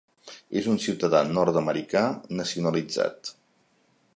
És un ciutadà nord-americà nacionalitzat.